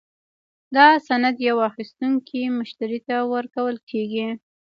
دا سند یو اخیستونکي مشتري ته ورکول کیږي.